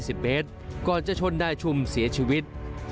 กว่า๒๐เมตรก่อนจะชนได้ชุมเสียชีวิต